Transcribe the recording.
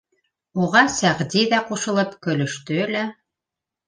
Уға Сәғди ҙә ҡушылып көлөштө лә: